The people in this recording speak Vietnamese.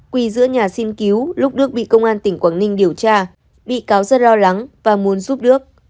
quỳ giữa nhà xin cứu lúc đức bị công an tỉnh quảng ninh điều tra bị cáo rất lo lắng và muốn giúp đức